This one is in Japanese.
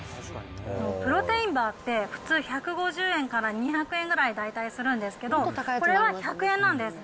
プロテインバーって、普通１５０円から２００円ぐらい、大体するんですけど、これは１００円なんです。